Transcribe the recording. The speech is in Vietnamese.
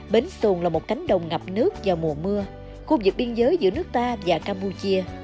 bến xuân là một cánh đồng ngập nước vào mùa mưa khu vực biên giới giữa nước ta và campuchia